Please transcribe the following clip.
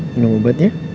minum obat ya